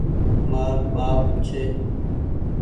مآر ٻآپ ڇي۔